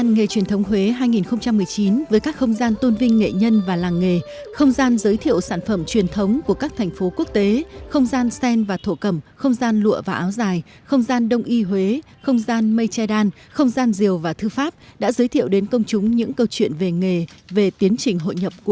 nghề truyền thống huế hai nghìn một mươi chín với chủ đề tinh hoa nghề việt giới thiệu một mươi sáu nhóm nghề với các sản phẩm có thương hiệu truyền thống đã khép lại vào tối qua sau bảy ngày diễn ra với nhiều hoạt động sôi nổi và ấn tượng